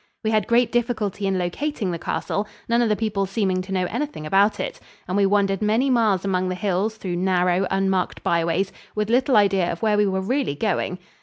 We had great difficulty in locating the castle, none of the people seeming to know anything about it, and we wandered many miles among the hills through narrow, unmarked byways, with little idea of where we were really going.